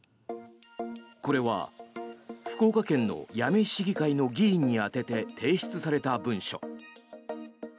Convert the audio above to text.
これは福岡県の八女市議会の議員に宛てて提出された文書。